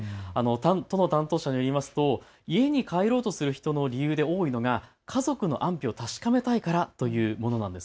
都の担当者によりますと家に帰ろうとする人の理由で多いのが家族の安否を確かめたいからというものなんです。